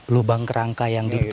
lubang kerangka yang di situ